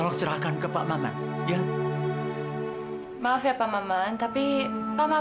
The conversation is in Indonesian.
iya om maaf pak